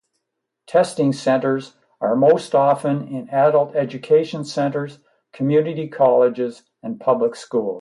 Testing centers are most often in adult-education centers, community colleges, and public schools.